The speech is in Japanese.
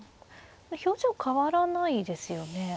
表情変わらないですよね。